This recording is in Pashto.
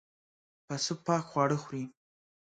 پسه پاک خواړه خوري.